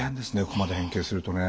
ここまで変形するとね。